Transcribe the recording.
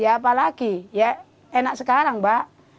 ya apalagi enak sekarang mbak